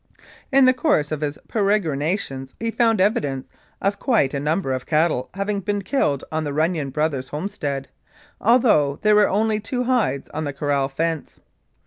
In the course of his peregrinations he found evidence of quite a number of cattle having been killed on the Runnion Brothers' homestead, although there were only two hides on the corral fence.